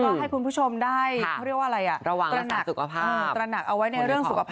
ก็ให้คุณผู้ชมได้เขาเรียกว่าอะไรตระหนักเอาไว้ในเรื่องสุขภาพ